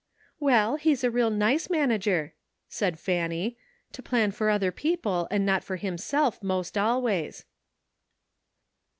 " Well, he's a real nice manager," said Fanny, "to plan for other people and not for himself 'most always."